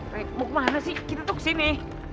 rey mau ke mana sih kita tuh kesini